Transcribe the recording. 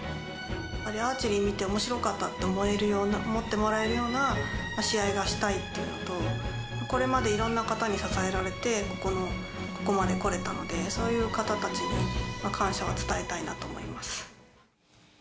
アーチェリー見て、おもしろかったと思ってもらえるような試合がしたいというのと、これまでいろんな方に支えられて、ここまでこれたので、そういう方たちに感謝を伝えたいなと思います。